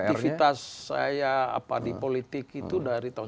aktivitas saya di politik itu dari tahun seribu sembilan ratus sembilan puluh tujuh